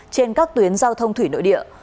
trên các tuyến giao thông thủy nội địa